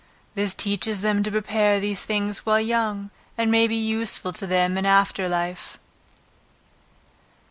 This teaches them to prepare these things while young, and may be useful to them in after life.